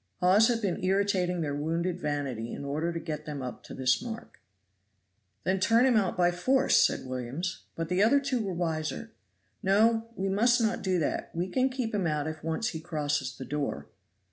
Hawes had been irritating their wounded vanity in order to get them up to this mark. "Then turn him out by force," said Williams. But the other two were wiser. "No, we must not do that we can keep him out if once he crosses the door."